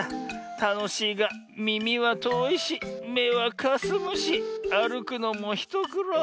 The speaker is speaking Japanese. たのしいがみみはとおいしめはかすむしあるくのもひとくろう。